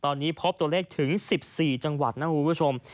ตอนนี้พบตัวเลขถึง๑๔จังหวัดนะคุณผู้ชม